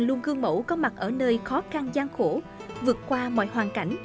luôn gương mẫu có mặt ở nơi khó khăn gian khổ vượt qua mọi hoàn cảnh